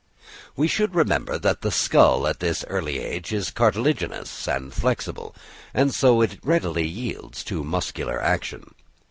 We should remember that the skull at this early age is cartilaginous and flexible, so that it readily yields to muscular action.